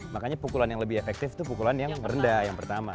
makanya pukulan yang lebih efektif itu pukulan yang rendah yang pertama